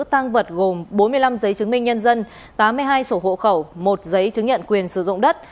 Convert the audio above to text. tăng vật gồm bốn mươi năm giấy chứng minh nhân dân tám mươi hai sổ hộ khẩu một giấy chứng nhận quyền sử dụng đất